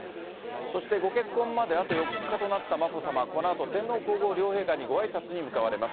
そしてご結婚まであと４日となった眞子さま、このあと天皇皇后両陛下にごあいさつに向かわれます。